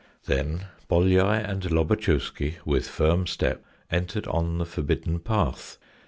Then Bolyai and Lobatchewsky with firm step entered on the forbidden path.